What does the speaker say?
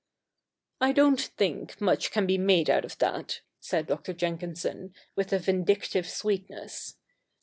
' I don't think much can be made out of that,' said Dr. Jenkinson, with a vindictive sweetness.